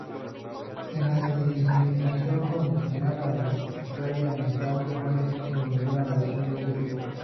En la discriminación condicional arbitraria, en cambio, no existe ninguna relación de este tipo.